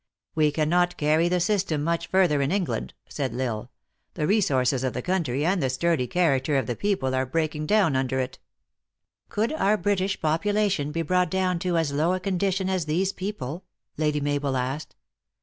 " We cannot carry the system much further in England," said L Isle ;" the resources of the country, and the sturdy character of the people, are breaking down under it." THE ACTRESS IN HIGH LIFE. 207 " Could our British population be brought down to as low a condition as these people?" Lady Mabel asked.